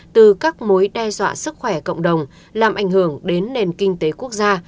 từ các mối đe dọa sức khỏe cộng đồng làm ảnh hưởng đến nền kinh tế quốc gia